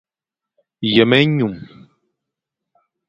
Yem-enyum.